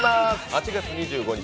８月２５日